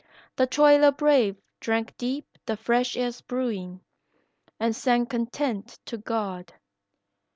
The toiler brave drank deep the fresh air's brewin' And sang content to God.